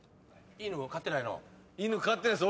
犬飼ってないです。